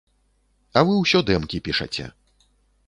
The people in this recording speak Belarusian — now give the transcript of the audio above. А вы ўсё дэмкі пішаце.